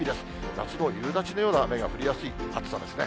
松戸、夕立のような雨が降りやすい暑さですね。